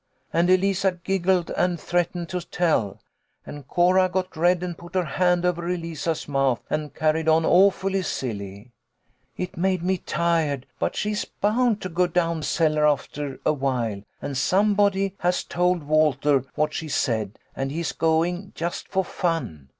And Eliza giggled and threatened to tell, and Cora got red and put her hand over Eliza's mouth, and carried on awfully silly. It made me tired. But she's bound to go down cellar after awhile, and somebody has told Walter what she said, and he's going, just for fun.